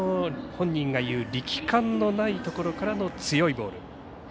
本人が言う力感のないところからの強いボール。